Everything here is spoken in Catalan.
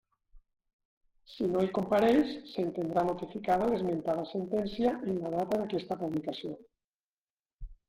Si no hi compareix, s'entendrà notificada l'esmentada sentència en la data d'aquesta publicació.